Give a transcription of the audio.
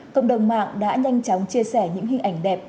cộng đồng mạng đã nhanh chóng chia sẻ những hình ảnh đẹp